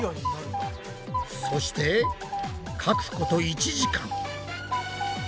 そしてかくこと１時間。